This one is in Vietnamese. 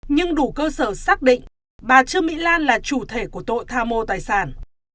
nhưng đủ cơ sở xác định bà trương mỹ lan là chủ thể của tội tham mô tài sản